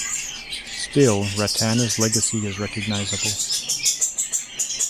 Still, Rattana's legacy is recognizable.